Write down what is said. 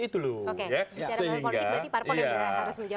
bicara tentang politik berarti parpol yang harus menjawab